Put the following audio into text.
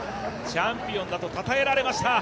チャンピオンだとたたえられました。